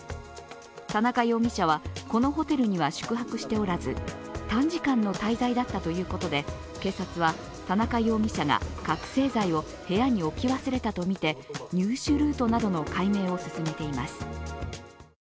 田中容疑者はこのホテルには宿泊しておらず短時間の滞在だったということで、警察は田中容疑者が覚醒剤を部屋に置き忘れたとみて入手ルートなどの解明を進めています。